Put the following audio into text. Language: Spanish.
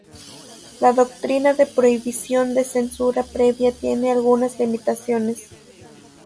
La doctrina de prohibición de censura previa tiene algunas limitaciones.